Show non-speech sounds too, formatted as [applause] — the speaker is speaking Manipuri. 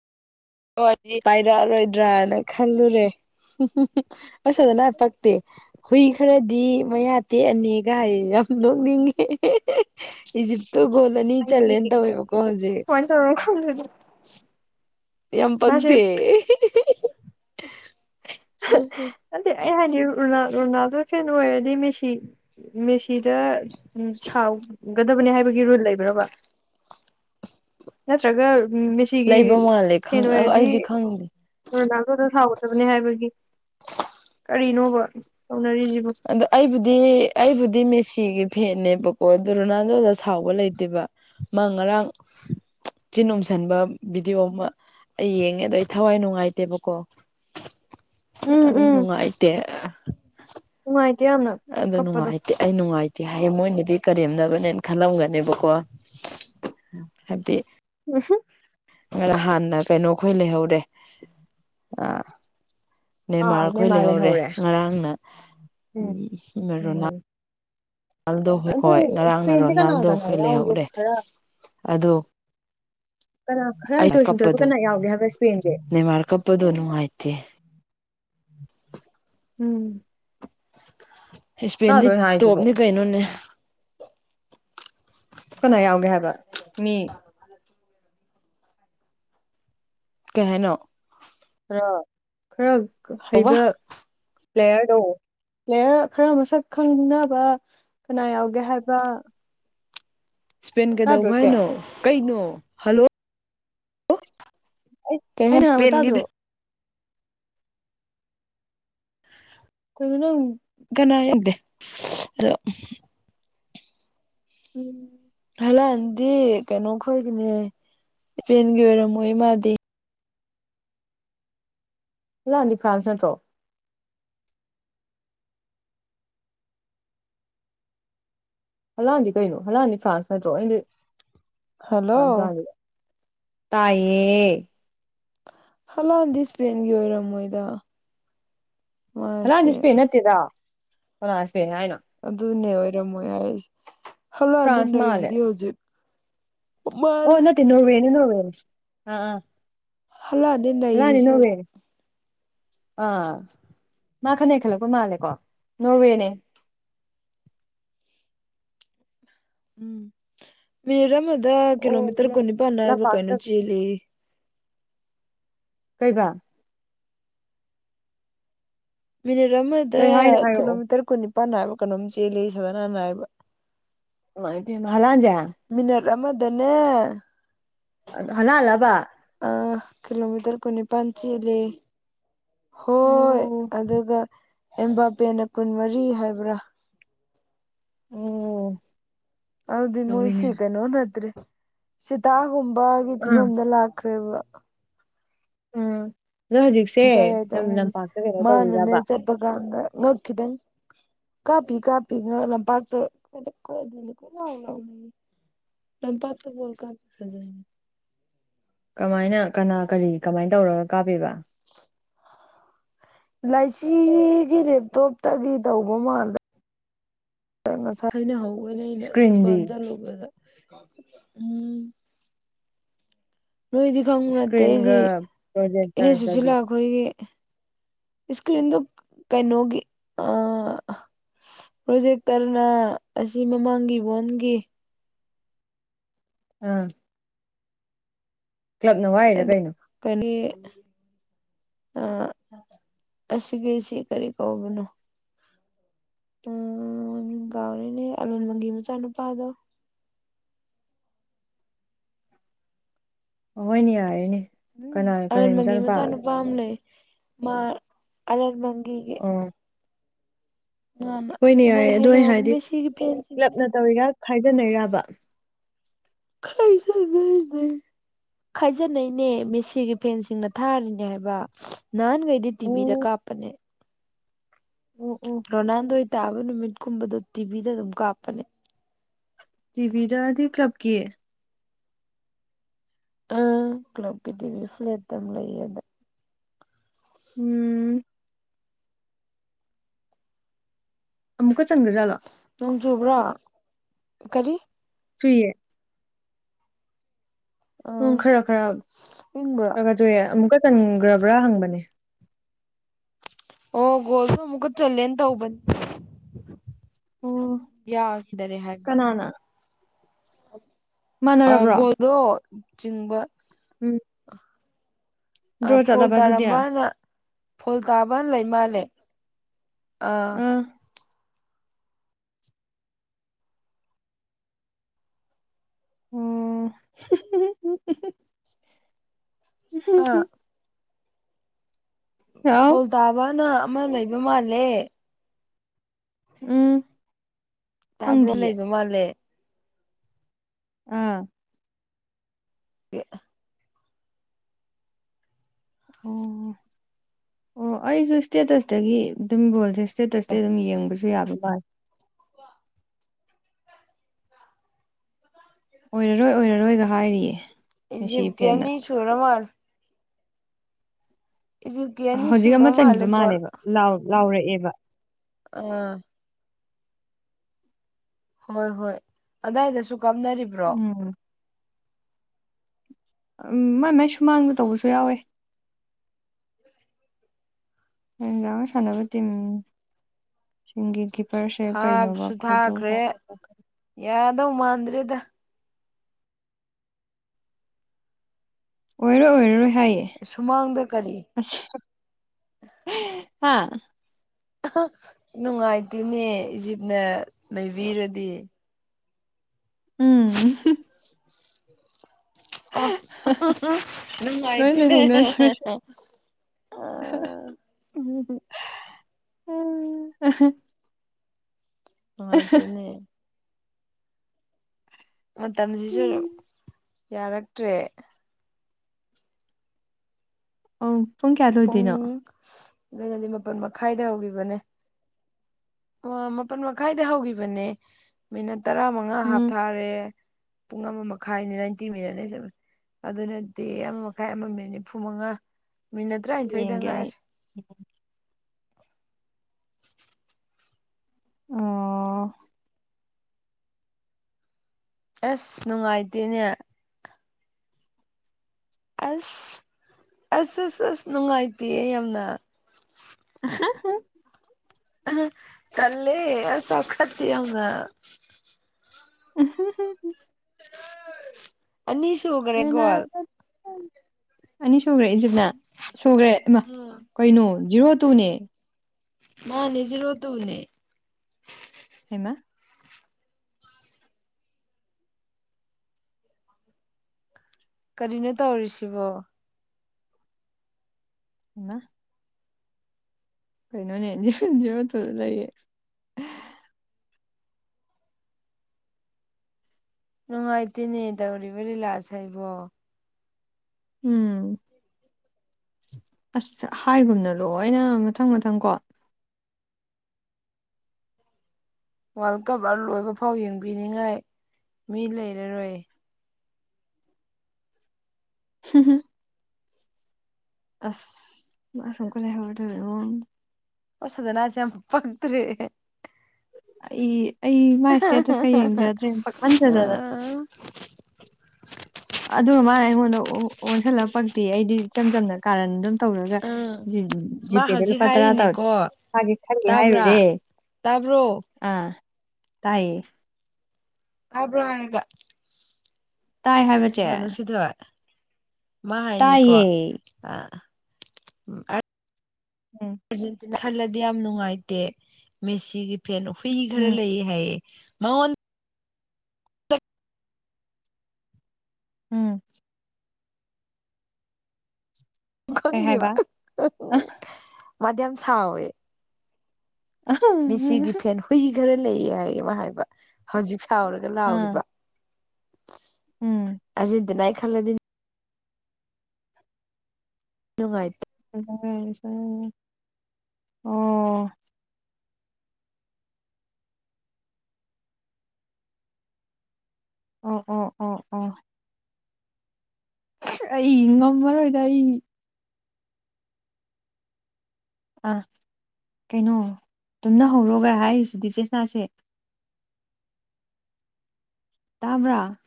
ꯑꯣꯛꯑꯗꯤ ꯄꯥꯏꯔꯛꯑꯔꯣꯏꯗ꯭ꯔꯅ ꯈꯜꯂꯨꯔꯦ UNINTELLIGIBLE ꯃꯌꯥ ꯇꯦꯛꯑꯅꯤꯒꯥꯏ ꯍꯥꯏꯔꯛꯑꯦ ꯌꯥꯝ ꯅꯣꯛꯅꯤꯡꯉꯦ ꯏꯖꯤꯞꯇꯣ ꯒꯣꯜꯑꯅꯤ ꯆꯜꯂꯦꯅ ꯑꯩ ꯇꯧꯋꯦꯕꯀꯣ ꯍꯧꯖꯤꯛ ꯀꯃꯥꯏꯅ ꯇꯧꯔꯅꯣ ꯈꯪꯗꯦꯗ ꯌꯥꯝ ꯃꯥꯁꯦ ꯄꯛꯇꯦ INAUDIBLE ꯅꯠꯇꯦ ꯑꯩ ꯍꯥꯏꯗꯤ ꯔꯣꯅꯥ ꯔꯣꯅꯥꯜꯗꯣ ꯐꯦꯟ ꯑꯣꯏꯔꯗꯤ ꯃꯦꯁꯤ ꯃꯦꯁꯤꯗ ꯎꯝ ꯁꯥꯎꯒ ꯗꯕꯅꯤ ꯍꯥꯏꯕꯒꯤ ꯔꯨꯜ ꯂꯩꯕ꯭ꯔꯕ ꯅꯠꯇ꯭ꯔꯒ ꯎꯝ ꯃꯦꯁꯤꯒꯤ ꯂꯩꯕ ꯃꯥꯜꯂꯦ ꯈꯪ ꯐꯦꯟꯑꯣꯏꯔꯗꯤ ꯑꯩꯗꯤ ꯈꯪꯗꯦ ꯔꯣꯅꯥꯜꯗꯣꯗ ꯁꯥꯎꯒꯗꯕꯅꯤ ꯍꯥꯏꯕꯒꯤ ꯀꯔꯤꯅꯣꯕ ꯇꯧꯅꯔꯤꯁꯤꯕꯨ ꯑꯗꯣ ꯑꯩꯕꯨꯗꯤ ꯑꯩꯕꯨꯗꯤ ꯃꯦꯁꯤꯒꯤ ꯐꯦꯟꯅꯦꯕꯀꯣ ꯑꯗꯨ ꯔꯣꯅꯥꯜꯗꯣꯗ ꯁꯥꯎꯕ ꯂꯩꯇꯦꯕ ꯃꯥ ꯉꯔꯥꯡ ꯆꯤꯟ ꯎꯝꯁꯟꯕ ꯚꯤꯗꯤꯑꯣ ꯑꯃ ꯑꯩꯌꯦꯡꯉꯦ ꯑꯗꯣ ꯑꯩꯊꯋꯥꯏ ꯅꯨꯡꯉꯥꯏꯇꯦꯕꯀꯣ ꯎꯝ ꯑꯗꯨꯝ ꯎꯝ ꯅꯨꯡꯉꯥꯏꯇꯦ ꯅꯨꯡꯉꯥꯏꯇꯦ ꯌꯥꯝꯅ ꯑꯗꯣ ꯀꯞꯄꯗꯣ ꯅꯨꯡꯉꯥꯢꯇꯦ ꯑꯩꯅꯨꯡꯉꯥꯏ ꯇꯦ ꯍꯥꯏꯌꯦ ꯃꯣꯏꯅꯗꯤ ꯀꯔꯦꯝꯅꯕꯅꯦꯅ ꯈꯜꯂꯝꯒꯅꯦꯕꯀꯣ ꯍꯥꯏꯕꯗꯤ INAUDIBLE ꯈꯔ ꯍꯥꯟꯅ ꯀꯩꯅꯣꯈꯣꯏ ꯂꯩꯍꯧꯔꯦ ꯑꯥ ꯅꯦꯃꯥꯔ ꯈꯣꯏ ꯂꯩꯍꯧꯔꯦ ꯉꯔꯥꯡꯅ ꯎꯝ ꯔꯣꯅꯥꯜ ꯎꯝ ꯗꯣ ꯑꯗꯨ ꯍꯣꯏ ꯉꯔꯥꯡꯅ ꯏꯁꯄꯦꯟꯁꯦ ꯀꯅꯥ ꯔꯣꯅꯥꯜꯗꯣ ꯀꯅꯥ ꯈꯣꯏ ꯌꯥꯎꯒꯦꯕ ꯂꯩꯍꯧꯔꯦ ꯈꯔ ꯑꯗꯣ ꯀꯅꯥ ꯈꯔ ꯑꯩ ꯍꯩꯊꯣꯏ ꯁꯤꯡꯊꯣꯏꯕ ꯀꯞꯄꯗꯨ ꯀꯅꯥ ꯌꯥꯎꯒꯦ ꯍꯥꯏꯕ ꯏꯁꯄꯦꯟꯁꯦ ꯅꯦꯔꯃꯥ ꯀꯞꯄꯗꯣ ꯅꯨꯡꯉꯥꯢꯇꯦ INAUDIBLE ꯎꯪꯎꯪ ꯏꯁꯄꯦꯟꯗꯤ ꯇꯣꯞ ꯅꯤ ꯀꯩꯅꯣꯅꯦ ꯀꯥꯅ ꯌꯥꯎꯒꯦ ꯍꯥꯏꯕ ꯃꯤ ꯀꯩ ꯍꯥꯢꯅꯣ ꯈꯔ ꯈꯔ ꯀꯧꯕ ꯍꯩꯕ ꯄ꯭ꯂꯦꯌꯥꯔꯗꯣ ꯄ꯭ꯂꯦꯌꯥꯔ ꯈꯔ ꯃꯁꯛ ꯈꯪꯅꯕ ꯀꯅꯥ ꯌꯥꯎꯒꯦ ꯍꯥꯏꯕ ꯏꯁꯄꯦꯟ ꯇꯥꯗ꯭ꯔꯣ ꯀꯩꯗꯧꯕ ꯆꯦ ꯍꯥꯏꯅꯣ ꯀꯩꯅꯣ ꯍꯜꯂꯣꯑꯣ ꯑꯩ ꯑꯩꯅ ꯉꯥꯡꯕ ꯇꯥꯗ꯭ꯔꯣ ꯀꯩꯅꯣ ꯅꯪ ꯀꯅꯥ ꯌꯦꯗꯦ ꯑꯗꯣ ꯎꯝ ꯍꯜꯂꯣꯥꯟꯗꯤ ꯀꯩꯅꯣ ꯈꯣꯏꯒꯤꯅꯦ ꯏꯄꯦꯟꯒꯤ ꯑꯣꯏꯔꯝꯃꯣꯏ ꯃꯥꯗꯤ ꯍꯂꯥꯟꯗꯤ ꯐ꯭ꯔꯥꯟꯁ ꯅꯠꯇ꯭ꯔꯣ ꯍꯜꯂꯥꯟꯗꯤ ꯀꯩꯅꯣ ꯍꯜꯂꯥꯟꯗꯤ ꯐ꯭ꯔꯥꯟꯁ ꯅꯠꯇ꯭ꯔꯣ ꯑꯗꯤ ꯍꯜꯂꯣ ꯇꯥꯏꯌꯦ ꯍꯂꯥꯟꯗꯤ ꯏꯁꯄꯦꯟꯒꯤ ꯑꯣꯏꯔꯝꯃꯣꯏꯗ ꯍꯂꯥꯟꯗꯤ ꯃꯥꯁꯦ ꯏꯁꯄꯦꯟ ꯅꯠꯇꯦꯗ ꯀꯅꯥꯅ ꯑꯗꯨꯅꯦ ꯑꯣꯏꯔꯝꯃꯣꯏ ꯍꯥꯏꯁꯦ ꯍꯂꯥꯟꯅꯤ ꯐ꯭ꯔꯥꯟꯁ ꯃꯥꯜꯂꯦ ꯅꯩꯔꯤꯗꯤ ꯍꯧꯖꯤꯛ ꯑꯣ ꯃꯥꯜꯂꯦ ꯅꯠꯇꯦ ꯅꯣꯔꯋꯦꯅꯤ ꯅꯣꯔꯋꯦꯅꯤ ꯑꯥ ꯑꯥ ꯍꯂꯥꯟꯅꯤ ꯍꯂꯥꯟꯗꯤ ꯅꯩꯔꯤꯁꯦ ꯍꯧꯖꯤꯛ ꯅꯣꯔꯋꯦꯅꯦ ꯑꯥ ꯃꯥ ꯈꯔ ꯅꯩꯈꯠꯂꯛꯄ ꯃꯥꯜꯂꯦꯀꯣ ꯅꯣꯔꯋꯦꯅꯦ [inaudible] ꯎꯝ ꯄ꯭ꯂꯦ ꯑꯃꯗ ꯑꯣ ꯀꯤꯂꯣꯃꯤꯇꯔ ꯀꯨꯟꯅꯤꯄꯥꯟ ꯍꯥꯏꯕ꯭ꯔꯥ ꯂꯝꯄꯥꯛꯇ ꯀꯩꯅꯩ ꯆꯦꯜꯂꯦꯌꯦ ꯀꯩꯕ ꯃꯤꯅꯤꯠ ꯑꯃꯗ ꯀꯩ ꯍꯥꯏꯅꯣ ꯍꯥꯏꯔꯛꯑꯣ ꯀꯤꯂꯣꯃꯤꯇꯔ ꯀꯨꯟꯅꯤꯄꯥꯟ ꯍꯥꯏꯕ ꯀꯩꯅꯣꯝ ꯆꯦꯜꯂꯦꯌꯦ ꯁꯕꯅꯅ ꯍꯥꯏꯕ ꯍꯩꯃꯥ ꯄꯦꯝꯃ ꯍꯂꯥꯟꯖꯦ ꯔꯃꯗꯅꯦꯦ [unintelligible] ꯍꯂꯥꯟꯂꯕ ꯑꯥ ꯀꯤꯂꯣꯃꯤꯇꯔ ꯀꯨꯟꯅꯤꯄꯥꯟ ꯆꯦꯜꯂꯦꯌꯦ ꯍꯣꯏ ꯑꯣ ꯑꯗꯨꯒ ꯑꯦꯝꯕꯥꯄꯦꯟꯅ ꯀꯨꯟ ꯃꯔꯤ ꯍꯥꯏꯕ꯭ꯔꯥ ꯑꯣ ꯑꯗꯨꯗꯤ ꯃꯣꯏꯁꯤ ꯇꯧꯔꯤꯅꯦ ꯀꯩꯅꯣ ꯅꯠꯇ꯭ꯔꯦ ꯆꯤꯇꯥꯒꯨꯝꯕꯒꯤ ꯑꯥ ꯐꯤꯕꯝꯗ ꯂꯥꯛꯈ꯭ꯔꯦ ꯀꯔꯤꯕ ꯎꯝ ꯑꯗꯣ ꯍꯧꯖꯤꯛꯁꯦ ꯄꯨꯡꯆꯥꯏ ꯌꯥꯏꯇꯥꯒꯨꯝꯕꯁꯦ ꯂꯝꯄꯥꯛꯇ ꯀꯩꯅꯣ ꯇꯧꯔꯤꯔꯕ ꯅꯣꯀꯤꯗꯪ [unintelligible] ꯀꯥꯄꯤ ꯀꯥꯄꯤ ꯉ ꯄꯥꯛꯇ ꯀ ꯀ ꯂ ꯂ [unintelligible] ꯂꯝꯄꯥꯛꯇ ꯕꯣꯜ ꯀꯥꯞꯄ ꯐꯖꯩ ꯀꯃꯥꯏꯅ ꯀꯅꯥ ꯀꯔꯤ ꯀꯃꯥꯏꯅ ꯇꯧꯔꯒ ꯀꯥꯞꯄꯤꯕ ꯂꯥꯏꯆꯤꯒꯤ ꯂꯦꯞꯇꯣꯞꯇꯒꯤ ꯇꯧꯕ ꯃꯥꯜꯂꯦ ꯆꯁ ꯍꯥꯏꯅ ꯍ [unintelligible] ꯏꯁꯀ꯭ꯔꯤꯟꯗꯤ ꯗꯨꯀꯥꯟ ꯆꯂꯨꯧꯕꯗ ꯎꯝ ꯅꯣꯏꯗꯤ ꯈꯪꯕ ꯅꯠꯇꯦ ꯑꯩꯗꯤ ꯏꯁꯀ꯭ꯔꯤꯟꯒ ꯏꯅꯦ ꯁꯨꯠꯁꯤꯜ ꯄ꯭ꯔꯣꯖꯦꯛꯇꯔꯒꯗꯤ ꯂꯥꯛꯄꯒꯤ ꯏꯁꯀ꯭ꯔꯤꯟꯗꯣ ꯀꯩꯅꯩꯅꯣꯒꯤ ꯑꯥ ꯄ꯭ꯔꯣꯖꯦꯛꯇꯔꯅ ꯑꯁꯤ ꯃꯃꯥꯡꯒꯤ ꯋꯥꯟꯒꯤ ꯑꯥ ꯀ꯭ꯂꯕꯅ ꯋꯥꯏꯔꯤꯔꯥ ꯀꯩꯅꯣ ꯑꯥ ꯑꯁꯤꯒꯤꯁꯤ ꯀꯔꯤ ꯀꯧꯕꯅꯣ ꯎꯝ ꯀꯥꯎꯔꯦꯅꯦ ꯑꯂꯨꯟꯃꯪꯒꯤ ꯃꯆꯥꯅꯨꯄꯥꯗꯣ ꯑꯍꯣꯏꯅꯦ ꯌꯥꯔꯦꯅꯦ ꯎꯝ ꯀꯅꯥ ꯀꯔꯦꯝ ꯑꯂꯨꯟꯃꯪꯒꯤ ꯃꯆꯥꯅꯨꯄꯥ ꯑꯃ ꯂꯩ ꯃꯥ ꯑꯂꯨꯟꯃꯪꯒꯤ ꯗꯤꯒꯤ ꯑꯣ ꯍꯣꯏꯅꯦ ꯌꯥꯔꯦ ꯑꯗꯨ ꯑꯩ ꯍꯥꯏꯅꯍꯧꯕ ꯍꯥꯏꯗꯤ ꯃꯦꯁꯤꯒꯤ ꯐꯦꯟꯁꯤꯡꯅ ꯀ꯭ꯂꯞꯅ ꯇꯧꯔꯤꯔꯥ ꯈꯥꯏꯖꯟꯅꯔꯤꯔꯕ [unintelligible] ꯈꯥꯏꯖꯅꯩꯅꯦ ꯃꯦꯁꯤꯒꯤ ꯐꯦꯟꯁꯤꯡꯅ ꯊꯥꯔꯤꯅꯦ ꯍꯥꯏꯕ ꯅꯍꯥꯟꯒꯩꯗꯤ ꯇꯤꯚꯤꯗ ꯑꯣ ꯀꯥꯞꯄꯅꯦ ꯑꯣ ꯑꯣ ꯔꯣꯅꯥꯜꯗꯣꯏ꫰ꯇꯥꯕ ꯅꯨꯃꯤꯠ ꯀꯨꯝꯕꯗ ꯇꯤꯚꯤꯗ ꯗꯨꯝ ꯀꯥꯞꯄꯅꯦ ꯇꯕꯤꯗꯗꯤ ꯀ꯭ꯂꯕꯀꯤ ꯑ ꯀ꯭ꯂꯕꯀꯤ ꯇꯤꯚꯤ ꯐ꯭ꯂꯦꯠꯇꯝ ꯂꯩꯌꯦꯕ ꯎꯝ ꯑꯃꯨꯛꯀꯠ ꯅꯣꯡ ꯆꯨꯕ꯭ꯔꯣ ꯀꯔꯤ ꯆꯨꯏꯌꯦ ꯑꯥ ꯎꯝ ꯈꯔ ꯈꯔ ꯏꯪꯕ꯭ꯔꯣ ꯈꯔ ꯆꯨꯌꯦ ꯑꯃꯨꯛꯀ ꯆꯟꯒ꯭ꯔꯕ꯭ꯔꯥ ꯍꯪꯕꯅꯦ ꯑꯣ ꯒꯣꯜꯁꯨ ꯑꯃꯨꯛꯀ ꯆꯜꯂꯦꯅ ꯇꯧꯕꯅ ꯑꯣ ꯌꯥꯈꯤꯗꯔꯦ ꯍꯥꯏꯕ ꯀꯅꯥꯅ ꯃꯥꯟꯅꯔꯕ꯭ꯔꯣ ꯑꯒꯣꯗꯣ ꯆꯤꯟꯕ [inaudible] ꯑ ꯗ꯭ꯔꯣ ꯐꯣꯜ ꯆꯠꯂꯕ ꯑꯗꯨꯗꯤ ꯑꯥ ꯇꯥꯔꯝꯕꯥꯅ ꯐꯣꯜ ꯇꯥꯕꯟ ꯂꯩꯃꯥꯜꯂꯦ ꯑꯥ ꯑꯣ ꯎꯝ [unintelligible] ꯍꯥ [unintelligible] ꯍꯥꯎ ꯐꯣꯜ ꯇꯥꯕꯥꯅ ꯑꯃ ꯂꯩꯕ ꯃꯥꯜꯂꯦ ꯎꯝ ꯇꯥꯕ꯭ꯔꯣ ꯐꯪꯗꯤꯌꯦ ꯂꯩꯕ ꯃꯥꯜꯂꯦ ꯑꯥ ꯑꯦ ꯑꯣ ꯑꯣ ꯑꯩꯁꯨ ꯏꯁꯇꯦꯇ꯭ꯁꯇꯒꯤ ꯑꯗꯨꯝ ꯔꯣꯜꯖꯦꯁ ꯏ꯭ꯁꯇꯦꯇ꯭ꯁ ꯇꯩ ꯑꯗꯨꯝ ꯌꯦꯡꯕꯁꯨ ꯌꯥꯕ ꯋꯥ ꯑꯣꯏꯔꯔꯣꯏ ꯑꯣꯏꯔꯔꯣꯏꯒ ꯍꯥꯏꯔꯤꯌꯦ ꯃꯦꯁꯤ ꯏꯖꯤꯕꯒ ꯀꯤ ꯐꯦꯟꯅ ꯑꯅꯤ ꯁꯨꯔ ꯃꯥꯜꯂꯦ ꯏꯖꯤꯞꯀꯤ ꯑꯅꯤ ꯍꯧꯖꯤꯛ ꯁꯨꯔ ꯑꯃ ꯃꯥꯜꯂꯦ ꯆꯟꯒꯤꯕ ꯒꯣꯜ ꯃꯥꯜꯂꯦꯕ ꯂꯥꯎ ꯂꯥꯎꯔꯛꯑꯦꯕ ꯑꯥ ꯍꯣꯏ ꯍꯣꯏ ꯑꯗꯥꯏꯗꯁꯨ ꯀꯥꯞꯅꯔꯤꯕ꯭ꯔꯣ ꯎꯝ ꯎꯝ ꯃꯥꯏ ꯃꯥꯏ ꯁꯨꯃꯥꯡꯗ ꯇꯧꯕꯁꯨ ꯌꯥꯎꯋꯦ [unintelligible] ꯁꯥꯟꯅꯕ ꯇꯤꯝ ꯁꯤꯡꯒꯤ ꯒꯤꯞ ꯍꯥꯞꯁꯨ ꯊꯥꯈ꯭ꯔꯦ ꯌꯥꯗꯧ ꯃꯥꯟꯗ꯭ꯔꯦꯗ ꯑꯣꯏꯔꯔꯣꯏ ꯑꯣꯏꯔꯔꯣꯏ ꯍꯥꯏꯌꯦ ꯁꯨꯃꯥꯡꯗ ꯀꯔꯤ ꯑ꯭ꯁ ꯍꯥꯥ ꯅꯨꯡꯉꯥꯏꯇꯦꯅꯦ ꯏꯖꯤꯞꯅ ꯅꯩꯕꯤꯔꯗꯤ ꯎꯝ ꯑꯣꯥ [unintelligible] ꯂꯣꯏ ꯅꯨꯡꯉꯥꯏꯇꯦ ꯂꯩꯍꯧꯅꯗ꯭ꯔꯦ [unintelligible] ꯎꯝ ꯑꯥꯍꯥ ꯅꯨꯡꯉꯥꯏꯇꯦꯅꯦ ꯃꯇꯝꯁꯤꯁꯨ ꯌꯥꯔꯛꯇ꯭ꯔꯦ ꯑꯧ ꯀꯌꯥ ꯄꯨꯡ ꯂꯣꯏꯗꯣꯏꯅꯣ ꯗꯨꯅꯅꯤ ꯃꯥꯄꯜ ꯃꯈꯥꯏꯗ ꯍꯧꯒꯤꯕꯅꯦ ꯑꯣ ꯃꯥꯄꯜ ꯃꯈꯥꯏꯗ ꯍꯧꯈꯤꯕꯅꯦ ꯃꯤꯅꯠ ꯇꯔꯥꯃꯉꯥ ꯍꯥꯞꯊꯔꯦ ꯄꯨꯡ ꯑꯃꯃꯈꯥꯏꯅꯤ ꯅꯥꯏꯟꯇꯤ ꯃꯤꯅꯠꯅꯤ ꯑꯗꯨꯅꯗꯤ ꯑꯃ ꯃꯈꯥꯏ ꯑꯃꯃꯤꯅꯠ ꯅꯤꯐꯨ ꯃꯉꯥ ꯃꯤꯅꯠ ꯌꯦꯡꯒꯦ ꯑꯩ ꯇ꯭ꯔꯥꯏꯟꯊꯣꯏꯗꯉꯥꯏꯔꯦ INAUDIBLE ꯑꯥꯑꯣ ꯑꯥꯁ ꯅꯨꯡꯉꯥꯏꯇꯦꯅꯦ ꯑꯥꯁ ꯑꯥꯁ ꯑꯁꯆ ꯑꯁꯆ ꯅꯨꯡꯉꯥꯏꯇꯦꯌꯦ ꯌꯥꯝꯅ ꯑꯥꯍꯥ ꯍꯥ ꯇꯜꯂꯦ ꯆꯥꯎꯈꯠꯇꯤꯌꯦ ꯌꯥꯝꯅ INAUDIBLE ꯑꯅꯤꯁꯨꯨꯒ꯭ꯔꯦꯒꯣꯜ ꯑꯅꯤ ꯁꯨꯒ꯭ꯔꯦ ꯏꯖꯤꯞꯅ ꯁꯨꯒ꯭ꯔꯦ ꯑꯃꯥ ꯎꯝ ꯀꯩꯅꯣ ꯖꯤꯔꯣ ꯇꯨꯅꯦ ꯃꯥꯅꯤ ꯖꯤꯔꯣ ꯇꯨꯅꯦ ꯍꯩꯃꯥ ꯀꯔꯤꯅꯣꯇꯧꯔꯤꯁꯤꯕꯣ ꯃꯥꯑꯥ ꯀꯩꯅꯣꯅꯦ ꯖꯤꯔꯣꯇꯨꯗ ꯂꯩꯌꯦ ꯅꯨꯡꯉꯥꯏꯇꯦꯅꯦ ꯇꯧꯔꯤꯕ ꯂꯤꯂꯥꯁꯦ ꯑꯩꯕꯣ ꯎꯪꯎꯪ ꯑꯥꯁ ꯍꯥꯏꯒꯨꯝꯅ ꯂꯣꯏꯅꯥ ꯃꯊꯪ-ꯃꯊꯪꯀꯣ ꯋꯥꯔꯜ ꯀꯞ ꯑꯥ ꯂꯣꯏꯕꯐꯥꯎ ꯌꯦꯡꯕꯤꯅꯤꯉꯥꯏ ꯃꯤ ꯂꯩꯔꯔꯣꯏꯌꯦ UNINTELLIGIBLE ꯑꯥꯁ ꯃꯥꯁꯨ ꯑꯃꯨꯛꯀ ꯂꯩꯍꯧꯔ ꯗꯣꯢꯔꯣ ꯑꯣꯡ ꯈꯣꯢ ꯁꯙꯅꯁꯦ ꯌꯥꯝ ꯄꯛꯇꯔꯦ ꯑꯩ ꯑꯩ ꯃꯥꯢ ꯏꯁꯇꯦꯇꯁꯀ ꯌꯦꯡꯖꯗ꯭ꯔꯦ ꯄꯛꯃꯟꯗꯥꯗꯅ ꯑꯥ ꯑꯗꯨꯒ ꯃꯥꯅ ꯑꯩꯉꯣꯟꯗ ꯑꯣꯟ-ꯑꯣꯟꯁꯤꯜꯂ ꯄꯛꯇꯦꯌꯦ ꯑꯩꯗꯤ ꯏꯆꯝ ꯆꯝꯅ ꯀꯥꯔꯟ ꯑꯗꯨꯝ ꯇꯧꯔꯒ ꯖꯤ ꯃꯥ ꯖꯤꯄꯦꯗ ꯍꯧꯖꯤꯛ ꯂꯨꯄꯥ ꯇꯔꯥ ꯍꯥꯏꯔꯤꯅꯦꯀꯣ ꯊꯥꯒꯦ ꯈꯜꯂꯦ ꯇꯥꯕ꯭ꯔꯥ ꯍꯥꯏꯔꯨꯔꯦ ꯇꯥꯕ꯭ꯔꯣ ꯑꯥ ꯇꯥꯏꯌꯦ ꯇꯥꯕ꯭ꯔꯣ ꯍꯥꯏꯔꯒ ꯇꯥꯏ ꯍꯥꯏꯕ ꯆꯦ ꯢꯆꯥꯅꯨꯡꯁꯤꯊꯣꯢ ꯃꯥ ꯍꯥꯏꯅꯦꯀꯣ ꯇꯥꯏꯌꯦ ꯑꯥ ꯑꯥꯔꯠ INAUDIBLE ꯈꯜꯂꯗꯤ ꯌꯥꯝꯅꯨꯡꯉꯥꯏꯇꯦ ꯃꯦꯁꯤꯒꯤ ꯐꯦꯟ ꯍꯨꯏ ꯈꯔ ꯎꯝ ꯂꯩꯌꯦ ꯍꯥꯏꯌꯦ ꯃꯥꯑꯣꯟ INAUDIBLE ꯀꯩ ꯈꯪꯗꯦꯕ ꯍꯥꯏꯕ ꯃꯥꯗꯤ ꯌꯥꯝ ꯁꯥꯎꯋꯦ ꯑꯥ ꯃꯦꯁꯤꯒꯤ ꯐꯦꯟ ꯍꯨꯏꯈꯔ ꯂꯩꯌꯦ ꯍꯥꯏꯌꯦ ꯃꯥ ꯍꯥꯏꯕ ꯍꯧꯖꯤꯛ ꯁꯥꯎꯔꯒꯂꯥꯎꯔꯤꯕ ꯎꯝ ꯑꯥꯔꯖꯦꯟꯇꯤꯅꯥꯒꯤ ꯈꯜꯂꯗꯤ ꯅꯨꯡꯉꯥꯢ UNINTELLIGIBLE ꯑꯣ ꯑꯣ ꯑꯣ ꯑꯣ ꯑꯩ ꯉꯝꯃꯥꯔꯣꯏꯗ ꯑꯩ ꯑꯥ ꯀꯩꯅꯣ ꯇꯨꯝꯅꯍꯧꯔꯣ ꯒꯥꯢ ꯍꯥꯏꯔꯤꯁꯤꯗꯤ ꯆꯦꯁꯅꯥꯁꯦ ꯇꯥꯕ꯭ꯔꯥ